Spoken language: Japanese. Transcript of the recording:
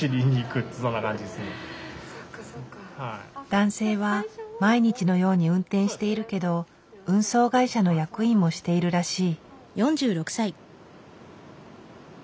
男性は毎日のように運転しているけど運送会社の役員もしているらしい。